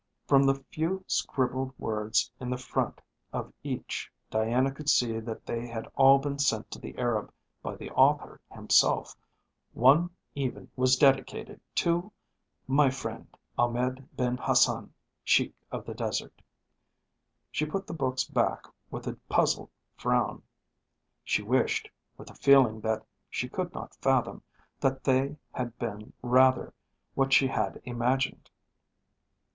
From the few scribbled words in the front of each Diana could see that they had all been sent to the Arab by the author himself one even was dedicated to "My friend, Ahmed Ben Hassan, Sheik of the Desert." She put the books back with a puzzled frown. She wished, with a feeling that she could not fathom, that they had been rather what she had imagined.